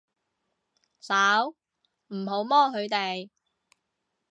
手，唔好摸佢哋